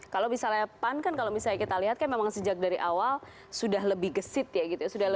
kalau misalnya pan kan kalau misalnya kita lihat kan memang sejak dari awal sudah lebih gesit ya gitu ya